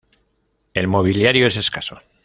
El mobiliario es escaso.